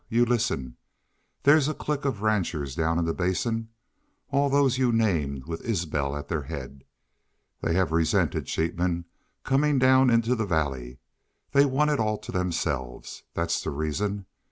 You listen. There's a clique of ranchers down in the Basin, all those you named, with Isbel at their haid. They have resented sheepmen comin' down into the valley. They want it all to themselves. That's the reason.